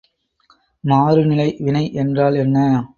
மாறுநிலை வினை என்றால் என்ன?